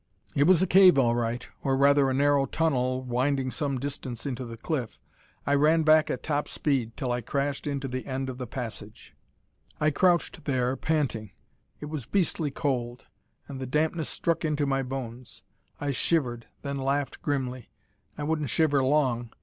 It was a cave, all right, or rather a narrow tunnel winding some distance into the cliff. I ran back at top speed, till I crashed into the end of the passage. I crouched there, panting. It was beastly cold, and the dampness struck into my bones. I shivered, then laughed grimly. I wouldn't shiver long.